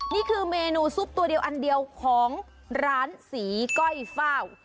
นี่คือเมนูซุปตัวเดียวอันเดียวของร้านสีก้อยเฝ้า